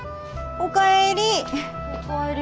お帰り。